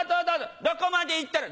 「どこまで行ったら」。